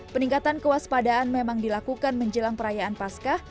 peningkatan kewaspadaan memang dilakukan menjelang perayaan pascah